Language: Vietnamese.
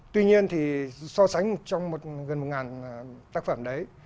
tuy nhiên thì so sánh trong gần một tác phẩm đấy